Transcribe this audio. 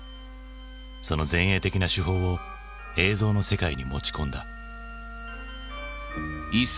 その前衛的な手法を映像の世界に持ち込んだ。